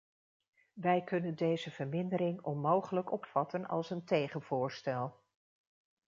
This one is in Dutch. Wij kunnen deze vermindering onmogelijk opvatten als een tegenvoorstel.